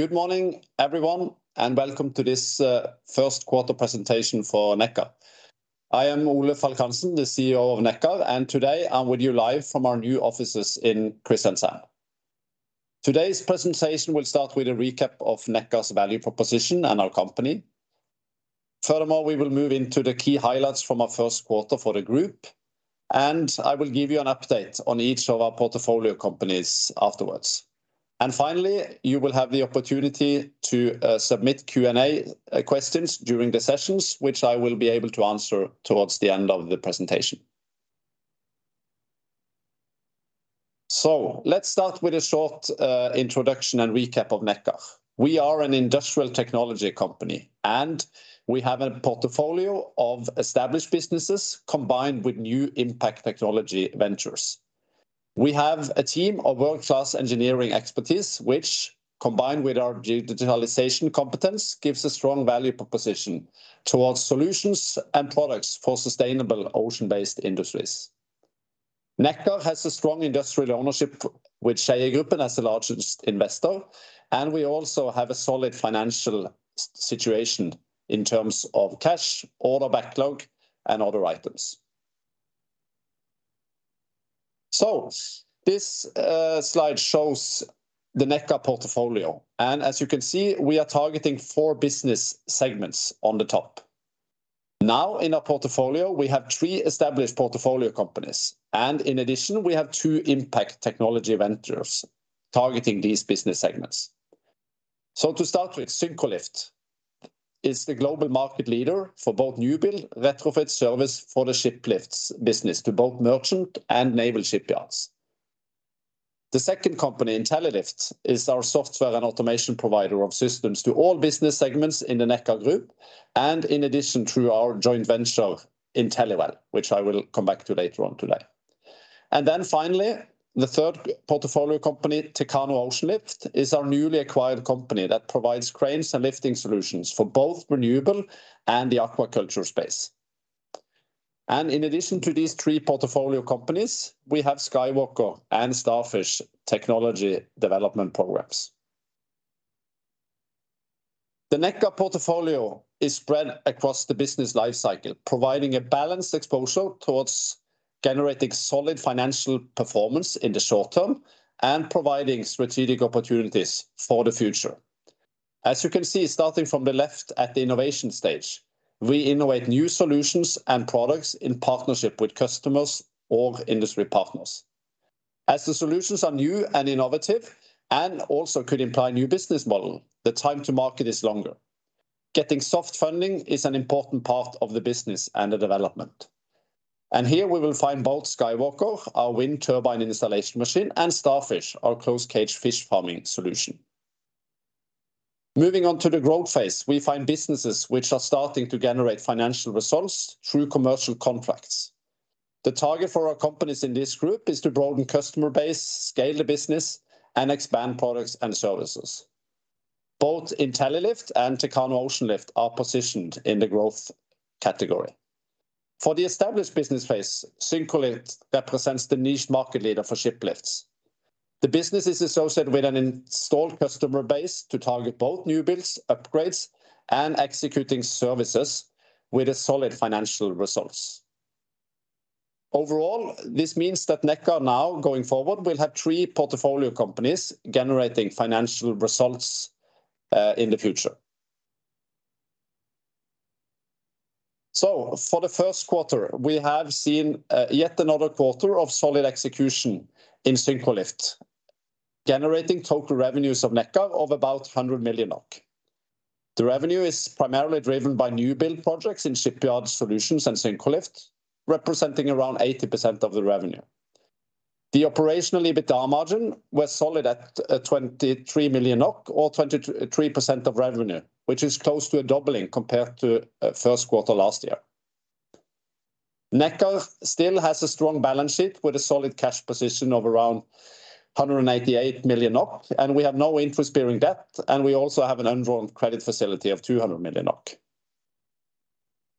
Good morning, everyone, and welcome to this first quarter presentation for Nekkar. I am Ole Falk Hansen, the CEO of Nekkar, and today I'm with you live from our new offices in Kristiansand. Today's presentation will start with a recap of Nekkar's value proposition and our company. We will move into the key highlights from our first quarter for the group, and I will give you an update on each of our portfolio companies afterwards. Finally, you will have the opportunity to submit Q&A questions during the sessions, which I will be able to answer towards the end of the presentation. Let's start with a short introduction and recap of Nekkar. We are an industrial technology company, and we have a portfolio of established businesses combined with new impact technology ventures. We have a team of world-class engineering expertise, which, combined with our digitalization competence, gives a strong value proposition towards solutions and products for sustainable ocean-based industries. Nekkar has a strong industrial ownership, with Skeiegruppen as the largest investor, and we also have a solid financial situation in terms of cash, order backlog and other items. This slide shows the Nekkar portfolio, and as you can see, we are targeting four business segments on the top. In our portfolio, we have three established portfolio companies, and in addition, we have two impact technology ventures targeting these business segments. To start with, Syncrolift is the global market leader for both new build retrofit service for the ship-lifts business to both merchant and naval shipyards. The second company, Intellilift, is our software and automation provider of systems to all business segments in the Nekkar Group, in addition, through our joint venture, Inteliwell, which I will come back to later on today. Finally, the third portfolio company, Techano Oceanlift, is our newly acquired company that provides cranes and lifting solutions for both renewable and the aquaculture space. In addition to these three portfolio companies, we have SkyWalker and Starfish Technology Development Programs. The Nekkar portfolio is spread across the business life cycle, providing a balanced exposure towards generating solid financial performance in the short term and providing strategic opportunities for the future. As you can see, starting from the left at the innovation stage, we innovate new solutions and products in partnership with customers or industry partners. As the solutions are new and innovative and also could imply a new business model, the time to market is longer. Getting soft funding is an important part of the business and the development. Here we will find both SkyWalker, our wind turbine installation machine, and Starfish, our closed cage fish farming solution. Moving on to the growth phase, we find businesses which are starting to generate financial results through commercial contracts. The target for our companies in this group is to broaden customer base, scale the business, and expand products and services. Both Intellilift and Techano Oceanlift are positioned in the growth category. For the established business phase, Syncrolift represents the niche market leader for shiplifts. The business is associated with an installed customer base to target both new builds, upgrades, and executing services with a solid financial results. Overall, this means that Nekkar now, going forward, will have three portfolio companies generating financial results in the future. For the first quarter, we have seen yet another quarter of solid execution in Syncrolift, generating total revenues of Nekkar of about 100 million NOK. The revenue is primarily driven by new build projects in Shipyard Solutions and Syncrolift, representing around 80% of the revenue. The operational EBITDA margin was solid at 23 million NOK or 23% of revenue, which is close to doubling compared to first quarter last year. Nekkar still has a strong balance sheet, with a solid cash position of around 188 million NOK, and we have no interest-bearing debt, and we also have an undrawn credit facility of 200 million NOK.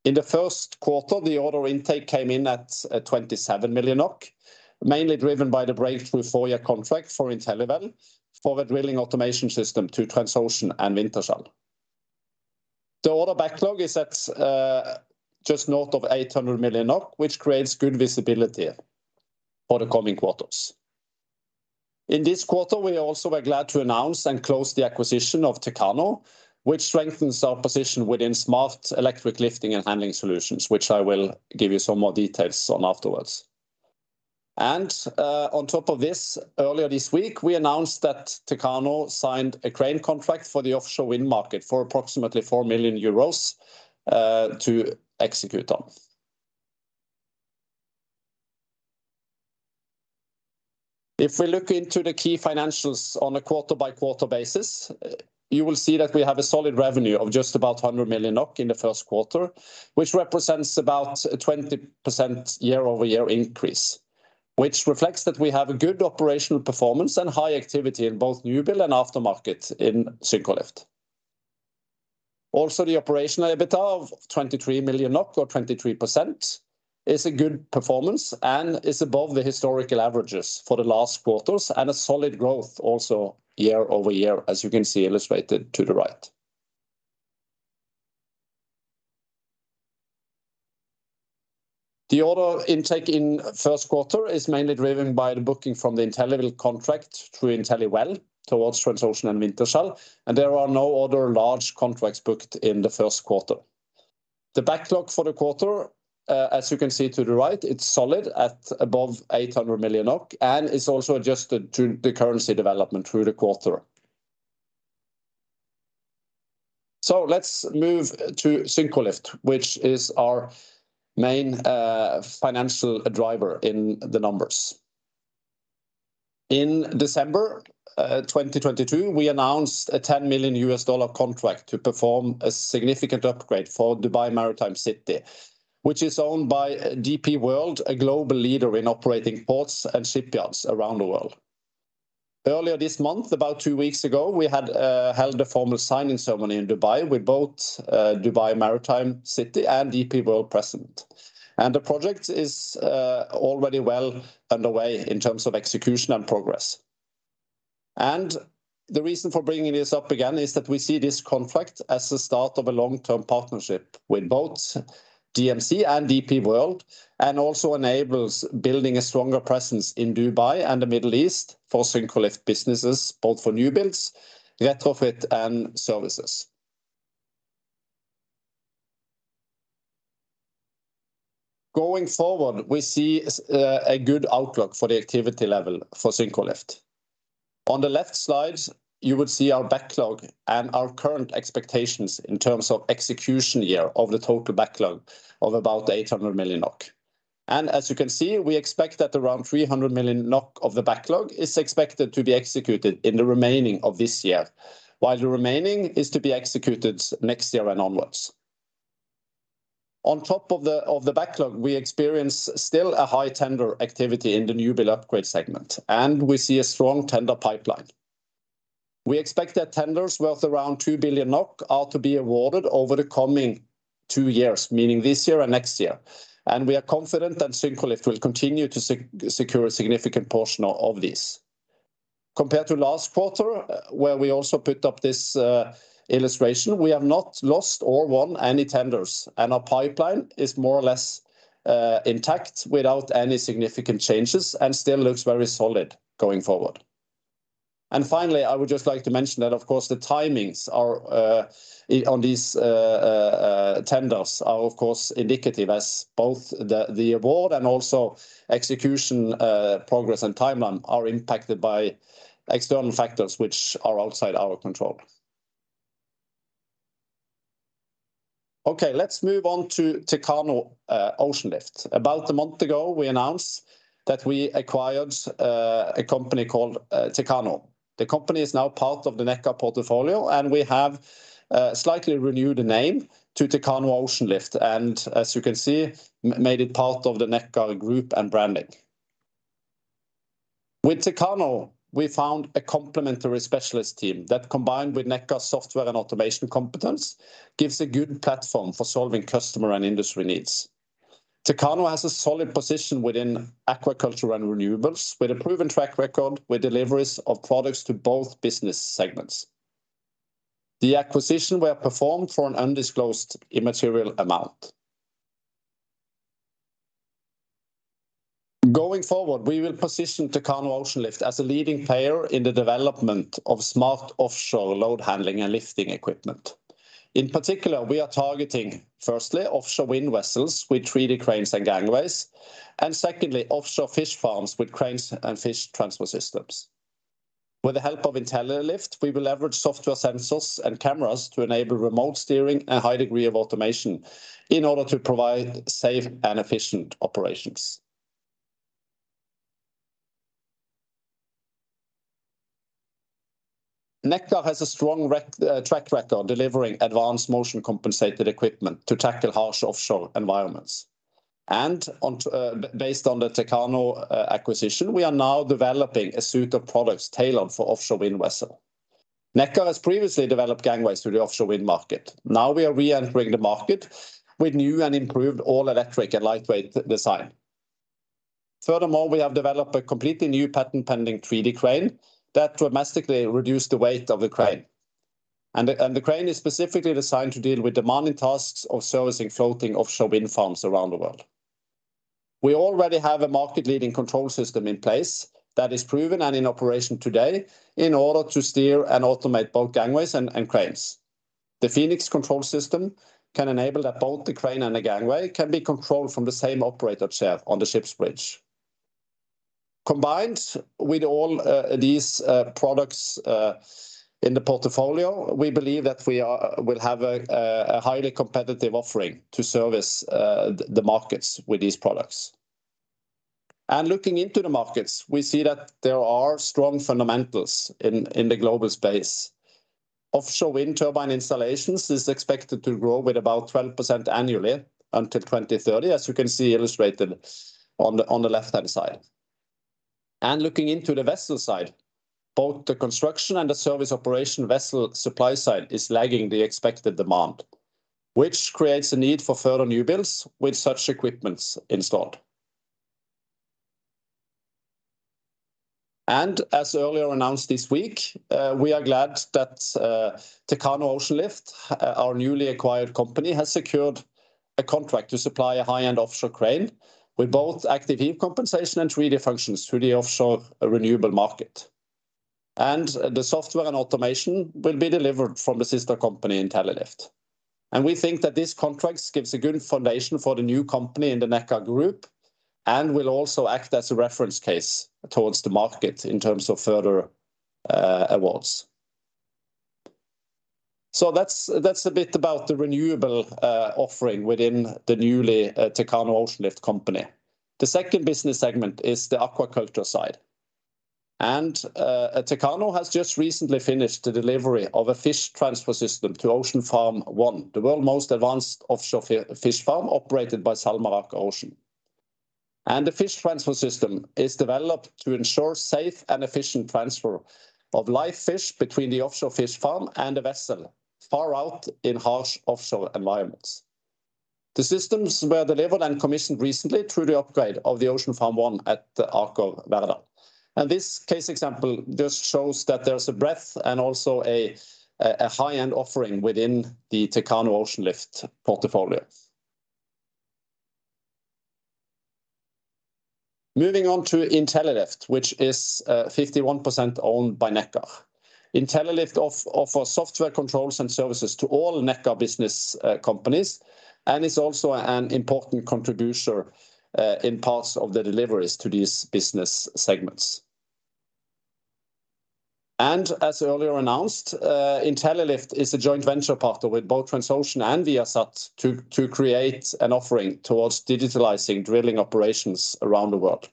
In the first quarter, the order intake came in at 27 million NOK, mainly driven by the breakthrough four-year contract for Inteliwell for the drilling automation system to Transocean and Wintershall. The order backlog is at just north of 800 million NOK, which creates good visibility for the coming quarters. In this quarter, we also were glad to announce and close the acquisition of Techano, which strengthens our position within smart electric lifting and handling solutions, which I will give you some more details on afterwards. On top of this, earlier this week, we announced that Techano signed a crane contract for the offshore wind market for approximately 4 million euros to execute on. If we look into the key financials on a quarter-by-quarter basis, you will see that we have a solid revenue of just about 100 million NOK in the first quarter, which represents about a 20% year-over-year increase, which reflects that we have a good operational performance and high activity in both new build and aftermarket in Syncrolift. The operational EBITDA of 23 million or 23% is a good performance and is above the historical averages for the last quarters, and a solid growth also year-over-year, as you can see illustrated to the right. The order intake in first quarter is mainly driven by the booking from the Inteliwell contract through Inteliwell towards Transocean and Wintershall. There are no other large contracts booked in the first quarter. The backlog for the quarter, as you can see to the right, it's solid at above 800 million NOK, and it's also adjusted to the currency development through the quarter. Let's move to Syncrolift, which is our main financial driver in the numbers. In December 2022, we announced a $10 million contract to perform a significant upgrade for Dubai Maritime City, which is owned by DP World, a global leader in operating ports and shipyards around the world. Earlier this month, about two weeks ago, we had held a formal signing ceremony in Dubai with both Dubai Maritime City and DP World present. The project is already well underway in terms of execution and progress. The reason for bringing this up again is that we see this contract as the start of a long-term partnership with both DMC and DP World, and also enables building a stronger presence in Dubai and the Middle East for Syncrolift businesses, both for new builds, retrofit and services. Going forward, we see a good outlook for the activity level for Syncrolift. On the left slides, you would see our backlog and our current expectations in terms of execution year of the total backlog of about 800 million NOK. As you can see, we expect that around 300 million NOK of the backlog is expected to be executed in the remaining of this year, while the remaining is to be executed next year and onwards. On top of the backlog, we experience still a high tender activity in the new build upgrade segment. We see a strong tender pipeline. We expect that tenders worth around 2 billion NOK are to be awarded over the coming two years, meaning this year and next year. We are confident that Syncrolift will continue to secure a significant portion of this. Compared to last quarter, where we also put up this illustration, we have not lost or won any tenders. Our pipeline is more or less intact without any significant changes and still looks very solid going forward. I would just like to mention that, of course, the timings are on these tenders are of course indicative as both the award and also execution progress and timeline are impacted by external factors which are outside our control. Let's move on to Techano Oceanlift. About a month ago, we announced that we acquired a company called Techano. The company is now part of the Nekkar portfolio, and we have slightly renewed the name to Techano Oceanlift, and as you can see, made it part of the Nekkar group and branding. With Techano, we found a complementary specialist team that, combined with Nekkar software and automation competence, gives a good platform for solving customer and industry needs. Techano has a solid position within aquaculture and renewables, with a proven track record with deliveries of products to both business segments. The acquisition were performed for an undisclosed immaterial amount. Going forward, we will position Techano Oceanlift as a leading player in the development of smart offshore load handling and lifting equipment. In particular, we are targeting, firstly, offshore wind vessels with 3D cranes and gangways, and secondly, offshore fish farms with cranes and fish transfer systems. With the help of Intellilift, we will leverage software sensors and cameras to enable remote steering and high degree of automation in order to provide safe and efficient operations. Nekkar has a strong track record delivering advanced motion compensated equipment to tackle harsh offshore environments. Based on the Techano acquisition, we are now developing a suite of products tailored for offshore wind vessel. Nekkar has previously developed gangways for the offshore wind market. We are re-entering the market with new and improved all-electric and lightweight design. We have developed a completely new patent-pending 3D crane that dramatically reduced the weight of the crane, and the crane is specifically designed to deal with demanding tasks of servicing floating offshore wind farms around the world. We already have a market-leading control system in place that is proven and in operation today in order to steer and automate both gangways and cranes. The Phoenix control system can enable that both the crane and the gangway can be controlled from the same operator chair on the ship's bridge. Combined with all these products in the portfolio, we believe that we will have a highly competitive offering to service the markets with these products. Looking into the markets, we see that there are strong fundamentals in the global space. Offshore wind turbine installations is expected to grow with about 12% annually until 2030, as you can see illustrated on the left-hand side. Looking into the vessel side, both the construction and the service operation vessel supply side is lagging the expected demand, which creates a need for further new builds with such equipments installed. As earlier announced this week, we are glad that Techano Oceanlift, our newly acquired company, has secured a contract to supply a high-end offshore crane with both Active Heave Compensation and 3D functions to the offshore renewable market. The software and automation will be delivered from the sister company, Intellilift. We think that this contract gives a good foundation for the new company in the Nekkar group, and will also act as a reference case towards the market in terms of further awards. That's, that's a bit about the renewable offering within the newly Techano Oceanlift company. The second business segment is the aquaculture side, and Techano has just recently finished the delivery of a fish transfer system to Ocean Farm 1, the world's most advanced offshore fish farm, operated by SalMar Aker Ocean. The fish transfer system is developed to ensure safe and efficient transfer of live fish between the offshore fish farm and the vessel, far out in harsh offshore environments. The systems were delivered and commissioned recently through the upgrade of the Ocean Farm 1 at the Verdal. This case example just shows that there is a breadth and also a high-end offering within the Techano Oceanlift portfolio. Moving on to Intellilift, which is 51% owned by Nekkar. Intellilift offers software controls and services to all Nekkar business companies, and is also an important contributor in parts of the deliveries to these business segments. As earlier announced, Intellilift is a joint venture partner with both Transocean and Viasat to create an offering towards digitalizing drilling operations around the world.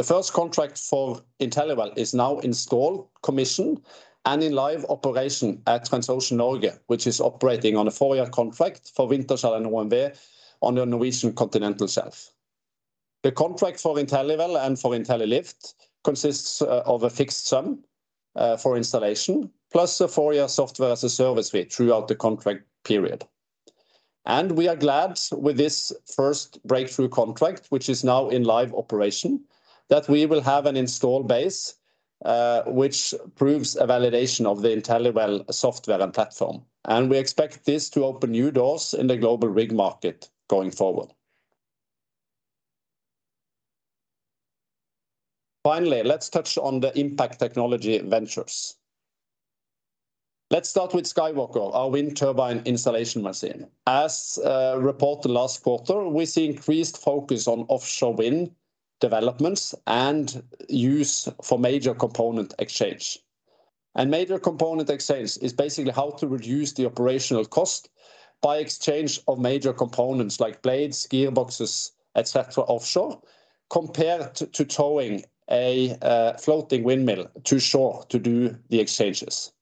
The first contract for Inteliwell is now installed, commissioned, and in live operation at Transocean Norge, which is operating on a 4-year contract for Wintershall and OMV on the Norwegian continental shelf. The contract for Inteliwell and for Intellilift consists of a fixed sum for installation, plus a four-year SaaS fee throughout the contract period. We are glad with this first breakthrough contract, which is now in live operation, that we will have an install base which proves a validation of the Inteliwell software and platform, and we expect this to open new doors in the global rig market going forward. Finally, let's touch on the impact technology ventures. Let's start with SkyWalker, our wind turbine installation machine. As reported last quarter, we see increased focus on offshore wind developments and use for major component exchange. Major component exchange is basically how to reduce the operational cost by exchange of major components like blades, gearboxes, et cetera, offshore, compared to towing a floating windmill to shore to do the exchanges.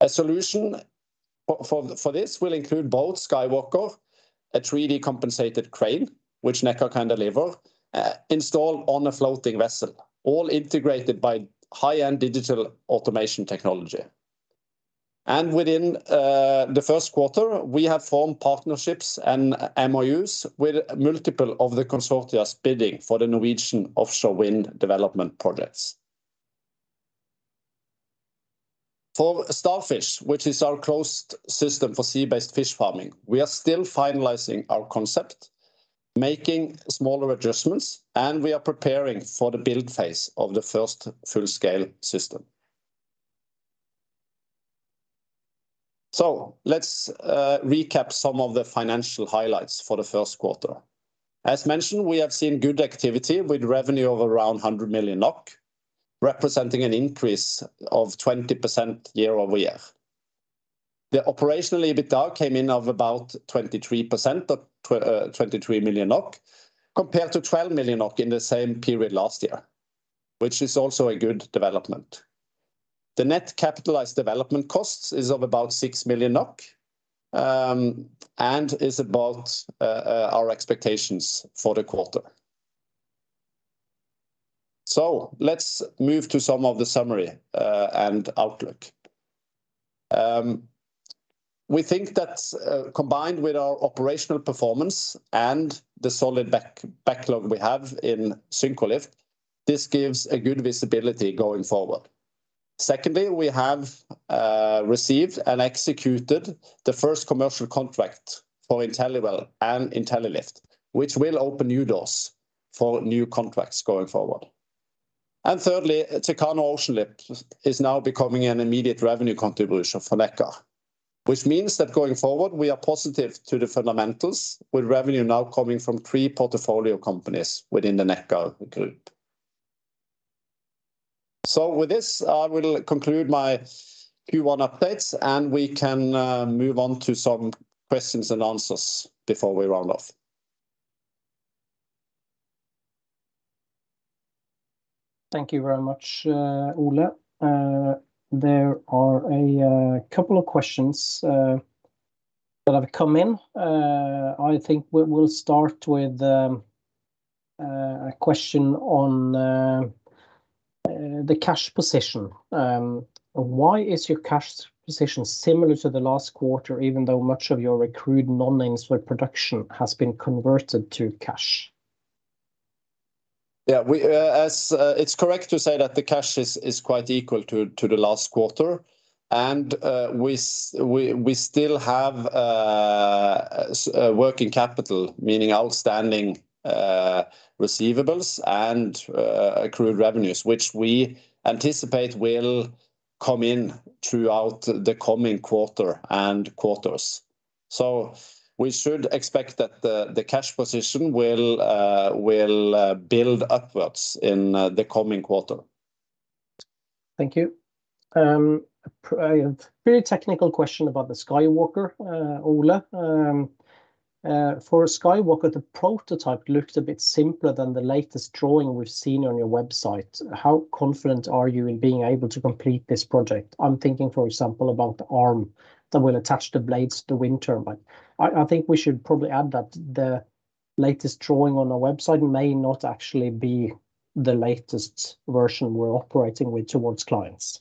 A solution for this will include both SkyWalker, a 3D compensated crane, which Nekkar can deliver, installed on a floating vessel, all integrated by high-end digital automation technology. Within the first quarter, we have formed partnerships and MOUs with multiple of the consortias bidding for the Norwegian Offshore Wind Development Projects. For Starfish, which is our closed system for sea-based fish farming, we are still finalizing our concept, making smaller adjustments, and we are preparing for the build phase of the first full-scale system. Let's recap some of the financial highlights for the first quarter. As mentioned, we have seen good activity, with revenue of around 100 million NOK, representing an increase of 20% year-over-year. The operational EBITDA came in of about 23 million NOK, compared to 12 million NOK in the same period last year, which is also a good development. The net capitalized development costs is of about 6 million NOK, and is about our expectations for the quarter. Let's move to some of the summary and outlook. We think that combined with our operational performance and the solid backlog we have in Syncrolift, this gives a good visibility going forward. Secondly, we have received and executed the first commercial contract for Inteliwell and Intellilift, which will open new doors for new contracts going forward. Thirdly, Techano Oceanlift is now becoming an immediate revenue contribution for Nekkar, which means that going forward, we are positive to the fundamentals, with revenue now coming from three portfolio companies within the Nekkar group. With this, I will conclude my Q1 updates, and we can move on to some questions and answers before we round off. Thank you very much, Ole. There are a couple of questions that have come in. I think we'll start with a question on the cash position. Why is your cash position similar to the last quarter, even though much of your accrued non-industry production has been converted to cash? Yeah, we, as. It's correct to say that the cash is quite equal to the last quarter. We still have a working capital, meaning outstanding receivables and accrued revenues, which we anticipate will come in throughout the coming quarter and quarters. We should expect that the cash position will build upwards in the coming quarter. Thank you. A very technical question about the SkyWalker, Ole. For SkyWalker, the prototype looked a bit simpler than the latest drawing we've seen on your website. How confident are you in being able to complete this project? I'm thinking, for example, about the arm that will attach the blades to the wind turbine. I think we should probably add that the latest drawing on the website may not actually be the latest version we're operating with towards clients.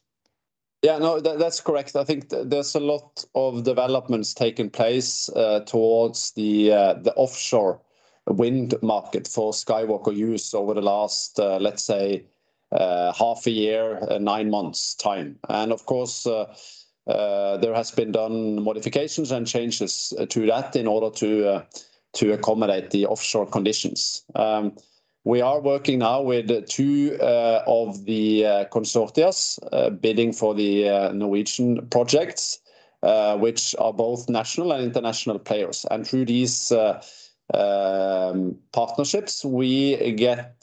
Yeah, no, that's correct. I think there's a lot of developments taking place towards the offshore wind market for SkyWalker use over the last, let's say, half a year, nine months' time. There has been done modifications and changes to that in order to accommodate the offshore conditions. We are working now with two of the consortias bidding for the Norwegian projects, which are both national and international players. Through these partnerships, we get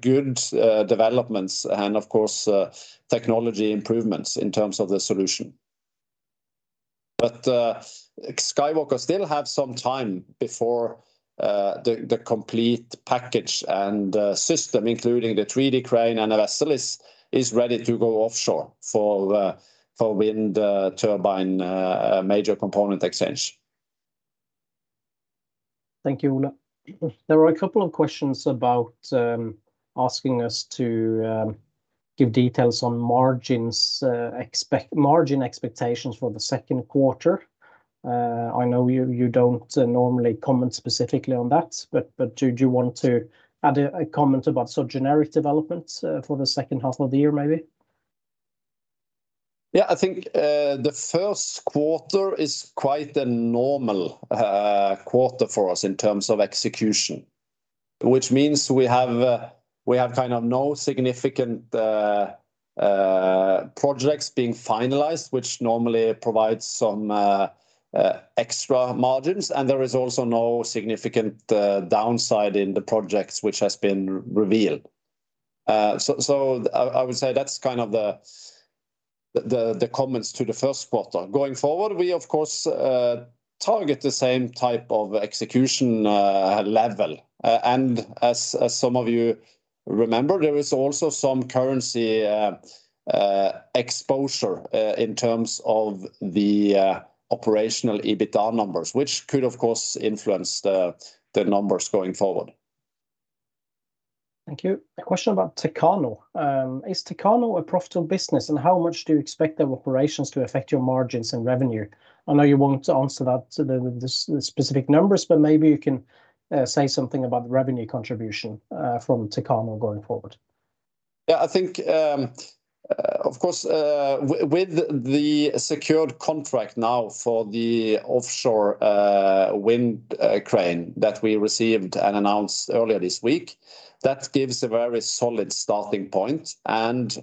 good developments and of course, technology improvements in terms of the solution. SkyWalker still have some time before the complete package and system, including the 3D crane and the vessel is ready to go offshore for wind turbine major component exchange. Thank you, Ole. There were a couple of questions about asking us to give details on margins, margin expectations for the second quarter. I know you don't normally comment specifically on that, but do you want to add a comment about some generic developments for the second half of the year, maybe? I think the first quarter is quite a normal quarter for us in terms of execution, which means we have kind of no significant projects being finalized, which normally provides some extra margins, and there is also no significant downside in the projects which has been revealed. I would say that's kind of the comments to the first quarter. Going forward, we, of course, target the same type of execution level. As some of you remember, there is also some currency exposure in terms of the operational EBITDA numbers, which could, of course, influence the numbers going forward. Thank you. A question about Techano. Is Techano a profitable business, and how much do you expect their operations to affect your margins and revenue? I know you won't answer that to the specific numbers, but maybe you can say something about the revenue contribution from Techano going forward. Yeah, I think, of course, with the secured contract now for the offshore wind crane that we received and announced earlier this week, that gives a very solid starting point and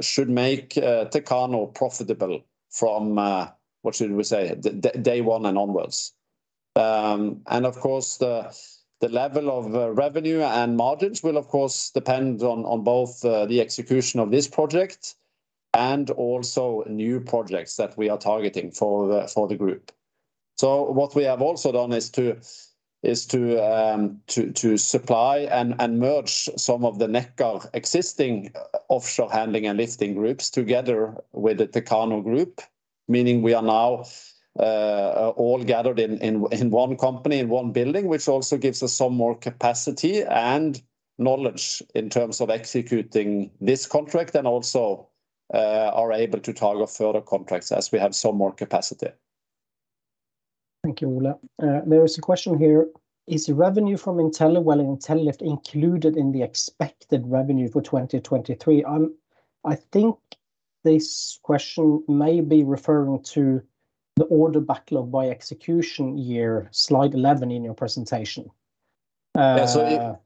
should make Techano profitable from what should we say? day one and onwards. Of course, the level of revenue and margins will, of course, depend on both the execution of this project and also new projects that we are targeting for the group. What we have also done is to supply and merge some of the Nekkar existing offshore handling and lifting groups together with the Techano group, meaning we are now all gathered in one company, in one building, which also gives us some more capacity and knowledge in terms of executing this contract, and also are able to target further contracts as we have some more capacity. Thank you, Ole. There is a question here: Is the revenue from Inteliwell and Intellilift included in the expected revenue for 2023? I think this question may be referring to the order backlog by execution year, slide 11 in your presentation. Yeah.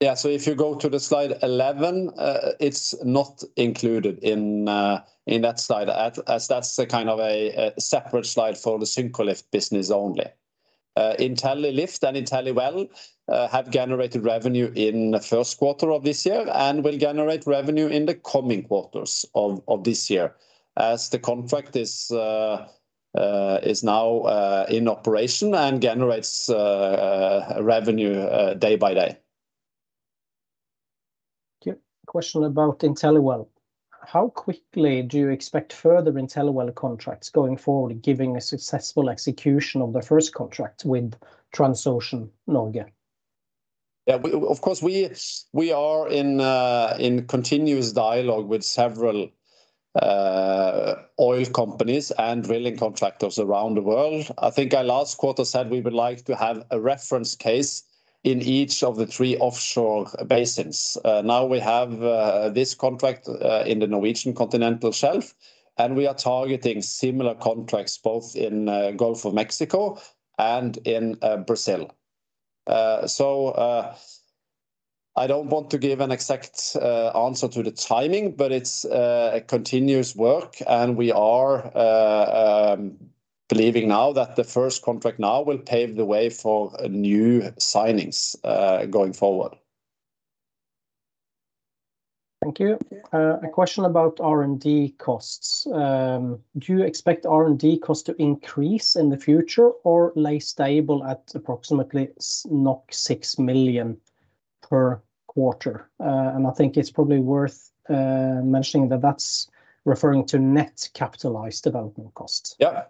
Yeah. If you go to the slide 11, it's not included in that slide, as that's a kind of a separate slide for the Syncrolift business only. Intellilift and Inteliwell have generated revenue in the first quarter of this year and will generate revenue in the coming quarters of this year, as the contract is now in operation and generates revenue day by day. Thank you. Question about Inteliwell. How quickly do you expect further Inteliwell contracts going forward, giving a successful execution of the first contract with Transocean Norge? Yeah, of course, we are in continuous dialogue with several oil companies and drilling contractors around the world. I think I last quarter said we would like to have a reference case in each of the three offshore basins. Now we have this contract in the Norwegian continental shelf, and we are targeting similar contracts both in Gulf of Mexico and in Brazil. I don't want to give an exact answer to the timing, but it's a continuous work, and we are believing now that the first contract now will pave the way for new signings going forward. Thank you. Yeah. A question about R&D costs. Do you expect R&D costs to increase in the future or lay stable at approximately 6 million per quarter? I think it's probably worth mentioning that that's referring to net capitalized development costs. Yeah.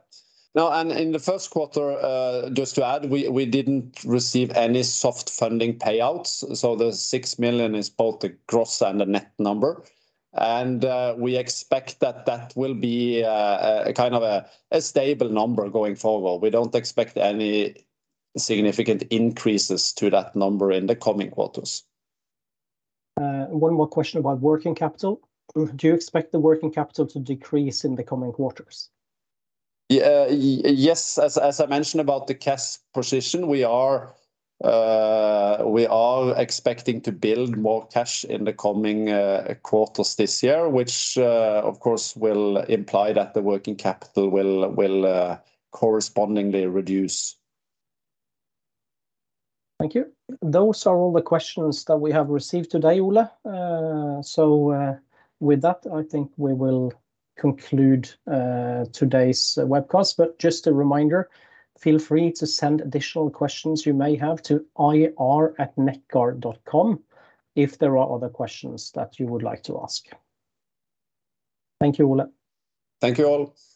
In the first quarter, just to add, we didn't receive any soft funding payouts, so the 6 million is both the gross and the net number. We expect that that will be a kind of a stable number going forward. We don't expect any significant increases to that number in the coming quarters. One more question about working capital. Do you expect the working capital to decrease in the coming quarters? Yeah. Yes, as I mentioned about the cash position, we are expecting to build more cash in the coming quarters this year, which, of course, will imply that the working capital will correspondingly reduce. Thank you. Those are all the questions that we have received today, Ole. With that, I think we will conclude today's webcast. Just a reminder, feel free to send additional questions you may have to ir@nekkar.com if there are other questions that you would like to ask. Thank you, Ole. Thank you, all.